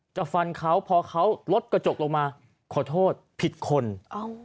ฟันเขาพอเขาลดกระจกลงมาขอโทษผิดคนอ้าว